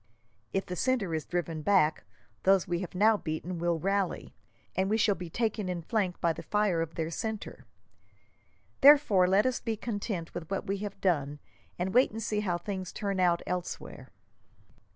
If the centre is driven back, those we have now beaten will rally, and we shall be taken in flank by the fire of their centre. Therefore, let us be content with what we have done, and wait and see how things turn out elsewhere."